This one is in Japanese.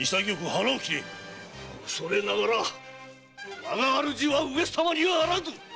恐れながら我が主は上様にはあらず！